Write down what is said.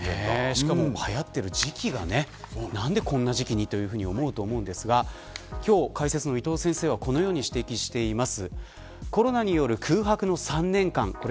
はやっている時期が何でこんな時期にというふうに思うと思いますが今日、解説の伊藤先生はこのように指摘しています。